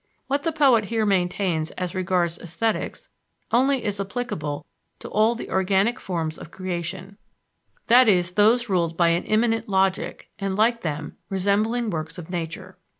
" What the poet here maintains as regards esthetics only is applicable to all the organic forms of creation that is to those ruled by an immanent logic, and, like them, resembling works of Nature.